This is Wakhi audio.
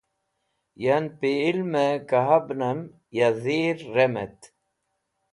Yan pẽ ilmẽ kabnẽm ya dhir remẽtk